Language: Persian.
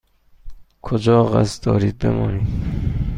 کجا قصد دارید بمانید؟